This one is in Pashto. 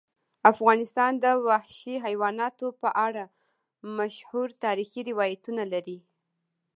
افغانستان د وحشي حیواناتو په اړه مشهور تاریخی روایتونه لري.